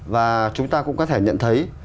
và chúng ta cũng có thể nhận thấy